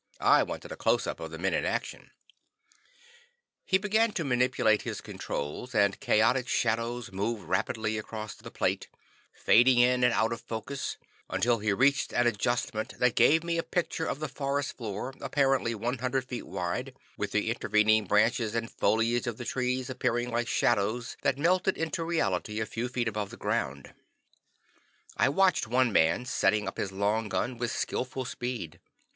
I wanted a close up of the men in action. He began to manipulate his controls and chaotic shadows moved rapidly across the plate, fading in and out of focus, until he reached an adjustment that gave me a picture of the forest floor, apparently 100 feet wide, with the intervening branches and foliage of the trees appearing like shadows that melted into reality a few feet above the ground. I watched one man setting up his long gun with skillful speed.